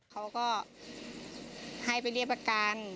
เขาก็ให้ไปเรียกประกัน